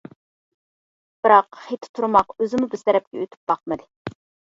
بىراق، خېتى تۇرماق ئۆزىمۇ بىز تەرەپكە ئۆتۈپ باقمىدى.